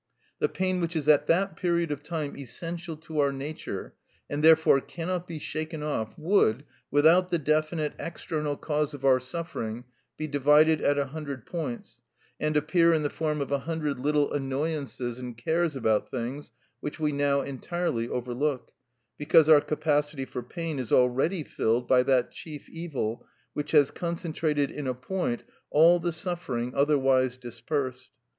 The pain which is at that period of time essential to our nature, and therefore cannot be shaken off, would, without the definite external cause of our suffering, be divided at a hundred points, and appear in the form of a hundred little annoyances and cares about things which we now entirely overlook, because our capacity for pain is already filled by that chief evil which has concentrated in a point all the suffering otherwise dispersed.